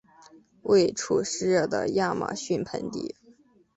位处湿热的亚马逊盆地。